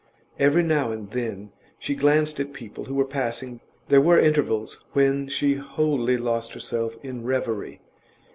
Every now and then she glanced at people who were passing; there were intervals when she wholly lost herself in reverie.